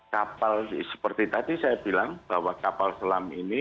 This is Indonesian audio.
kapal seperti tadi saya bilang bahwa kapal selam ini